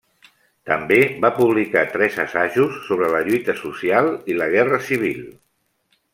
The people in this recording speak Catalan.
També va publicar tres assajos sobre la lluita social i la guerra civil.